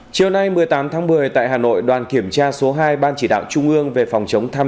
chiều nay một mươi tám tháng một mươi tại hà nội đoàn kiểm tra số hai ban chỉ đạo trung ương về phòng chống tham